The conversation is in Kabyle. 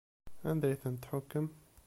Anda ay ten-tḥukkem?